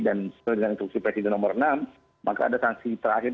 dan setelah instruksi presiden nomor enam maka ada sanksi terakhir